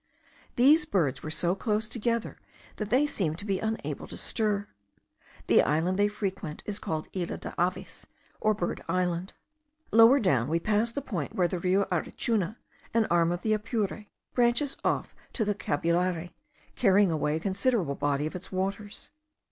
These birds were so close together that they seemed to be unable to stir. The island they frequent is called Isla de Aves, or Bird Island. Lower down we passed the point where the Rio Arichuna, an arm of the Apure, branches off to the Cabulare, carrying away a considerable body of its waters.